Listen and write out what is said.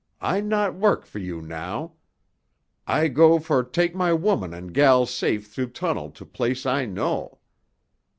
I not work for you now. I go for take my woman and gal safe through tunnel to place I know.